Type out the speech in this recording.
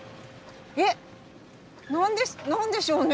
えっ何でしょうね？